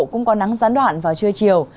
cũng có nắng gián đoạn vào trưa chiều